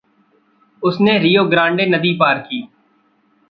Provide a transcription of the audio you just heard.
उसने Rio Grande नदी पार की।